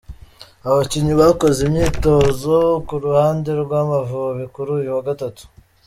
Abakinnyi bakoze imyitozo ku ruhande rw’Amavubi kuri uyu wa gatatu :